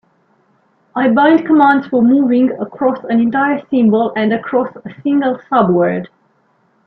I bind commands for moving across an entire symbol and across a single subword.